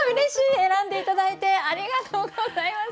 選んで頂いてありがとうございます。